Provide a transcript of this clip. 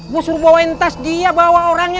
gue suruh bawain tas dia bawa orangnya